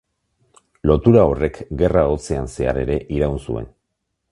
Lotura horrek Gerra Hotzean zehar ere iraun zuen.